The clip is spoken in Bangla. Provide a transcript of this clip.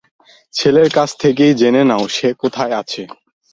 ছেলের কাছ থেকেই জেনে নাও সে কোথায় আছে।